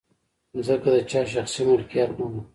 مځکه د چا د شخصي ملکیت نه ده.